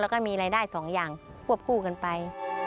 แล้วก็มีรายได้สองอย่างควบคู่กันไป